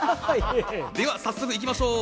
では早速行きましょう。